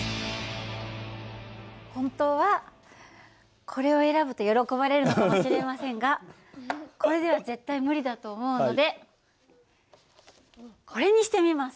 本当はこれを選ぶと喜ばれるのかもしれませんがこれでは絶対無理だと思うのでこれにしてみます。